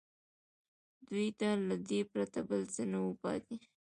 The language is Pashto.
دوی ته له دې پرته بل څه نه وو پاتې